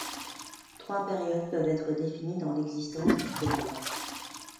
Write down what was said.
Trois périodes peuvent être définies dans l'existence du califat.